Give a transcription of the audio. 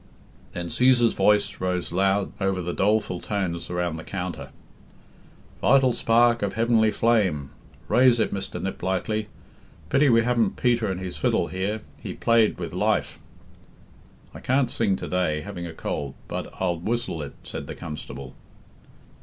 Then Cæsar's voice rose loud over the doleful tones around the counter. "'Vital Spark of Heavenly Flame' raise it, Mr. Niplightly. Pity we haven't Peter and his fiddle here he played with life." "I can'd sing to day, having a cold, bud I'll whisle id," said the Constable.